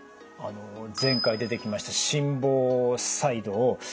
あの前回出てきました心房細動。